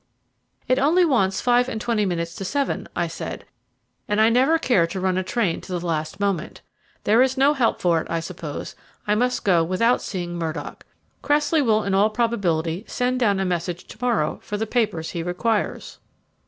"It only wants five and twenty minutes to seven," I said, "and I never care to run a train to the last moment. There is no help for it, I suppose I must go without seeing Murdock. Cressley will in all probability send down a message to morrow for the papers he requires."